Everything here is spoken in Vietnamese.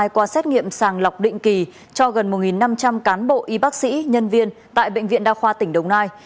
hai quả xét nghiệm sàng lọc định kỳ cho gần một năm trăm linh cán bộ y bác sĩ nhân viên tại bệnh viện đa khoa tỉnh đồng nai